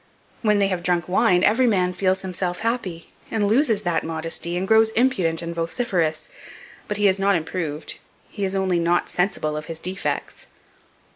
When they have drunk wine, every man feels himself happy, and loses that modesty, and grows impudent and vociferous; but he is not improved, he is only not sensible of his defects."